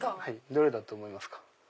どれだと思いますか？